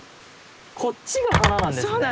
こっちが花なんですね！